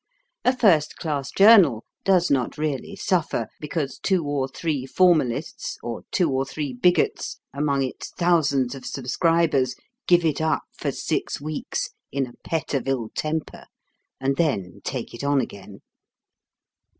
A first class journal does not really suffer because two or three formalists or two or three bigots among its thousands of subscribers give it up for six weeks in a pet of ill temper and then take it on again.